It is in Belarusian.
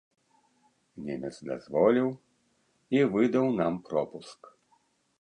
Немец дазволіў і выдаў нам пропуск.